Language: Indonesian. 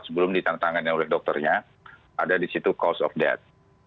sebelum ditantangkan oleh dokternya ada di situ cause of death